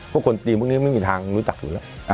คนจีนพวกนี้ไม่มีทางรู้จักอยู่แล้ว